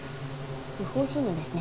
不法侵入ですね。